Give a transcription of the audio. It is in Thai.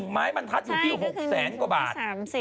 ไม้บรรทัศน์อยู่ที่๖แสนกว่าบาท